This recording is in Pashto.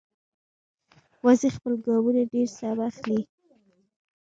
وزې خپل ګامونه ډېر سم اخلي